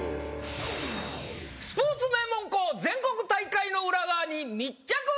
スポーツ名門校全国大会の裏側に密着ＳＰ！